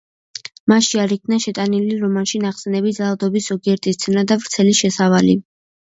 მასში არ იქნა შეტანილი რომანში ნახსენები ძალადობის ზოგიერთი სცენა და ვრცელი შესავალი.